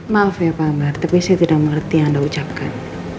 maaf ya pak ambar tapi saya tidak mengerti yang anda ucapkan